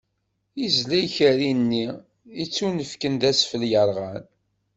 Izla ikerri-nni yettunefken d asfel yerɣan.